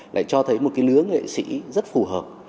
lại cho thấy một cái lứa nghệ sĩ rất phù hợp